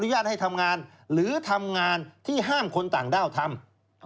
เยอะมากที่ห้ามคนต่างด้าวทำ